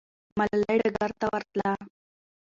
ملالۍ ډګر ته ورتله.